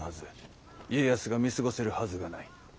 家康が見過ごせるはずがない。